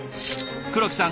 黒木さん